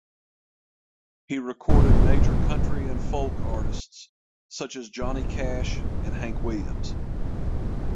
He recorded major Country and Folk artists such as Johnny Cash and Hank Williams.